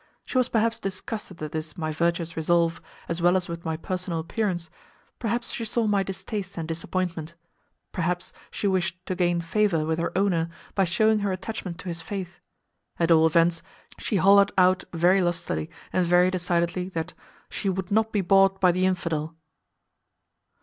She was perhaps disgusted at this my virtuous resolve, as well as with my personal appearance; perhaps she saw my distaste and disappointment; perhaps she wished to gain favour with her owner by showing her attachment to his faith: at all events, she holloaed out very lustily and very decidedly that "she would not be bought by the infidel."